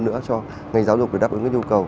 nữa cho ngành giáo dục để đáp ứng cái nhu cầu